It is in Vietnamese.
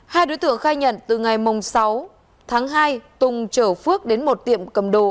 hai đối tượng khai nhận từ ngày sáu tháng hai tùng chở phước đến một tiệm cầm đồ